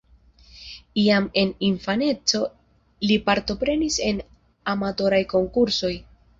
Jam en infaneco li partoprenis en amatoraj konkursoj.